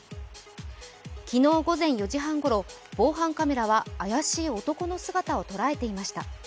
昨日午前４時半ごろ、防犯カメラは怪しい男の姿を捉えていました。